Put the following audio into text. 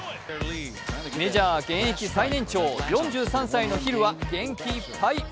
メジャー現役最年長、４３歳のヒルは元気いっぱい。